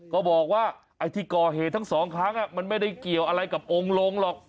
ก็บอกว่าไอ้ที่ก่อเหตุทั้งสองครั้งมันไม่ได้เกี่ยวอะไรกับองค์ลงหรอก